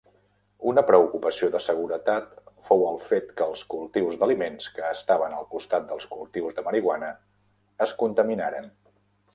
Una preocupació de seguretat fou el fet que els cultius d'aliments que estaven al costat dels cultius de marihuana es contaminaren.